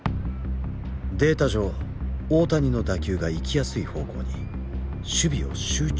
データ上大谷の打球が行きやすい方向に守備を集中された。